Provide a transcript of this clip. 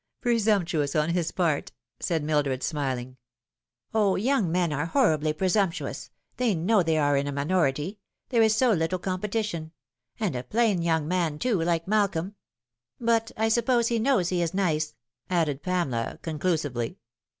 "" Presumptuous on his part," saicl Mildred, smiling. " O, young men are horribly presumptuous ; they know they are in a minority there is so little competition and a plain young man, too, like Malcolm. But I suppose he knows he is nice," added Pamela conclusively.